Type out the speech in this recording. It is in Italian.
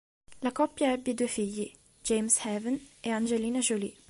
La coppia ebbe due figli: James Haven e Angelina Jolie.